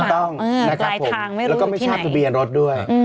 ถูกต้องนะครับผมแล้วก็ไม่ทราบทะเบียนรถด้วย